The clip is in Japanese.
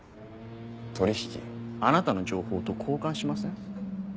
あなたの情報と交換しません？